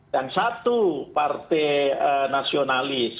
dan satu partai nasionalis